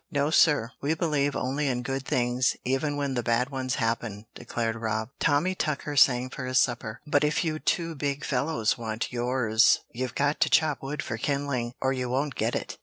"No, sir; we believe only in good things even when the bad ones happen!" declared Rob. "Tommy Tucker sang for his supper, but if you two big fellows want yours you've got to chop wood for kindling, or you won't get it.